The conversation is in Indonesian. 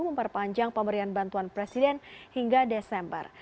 memperpanjang pemberian bantuan presiden hingga desember